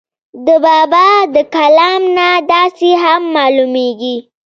د بابا دَکلام نه داسې هم معلوميږي